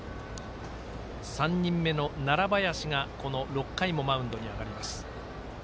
３人目の楢林がこの６回もマウンドに上がります。